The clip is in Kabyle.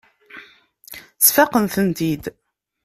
Sfaqen-tent-id.